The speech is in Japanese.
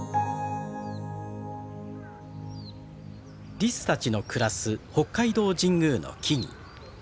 リスたちの暮らす北海道神宮の木々。